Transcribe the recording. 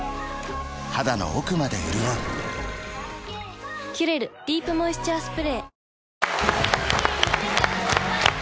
肌の奥まで潤う「キュレルディープモイスチャースプレー」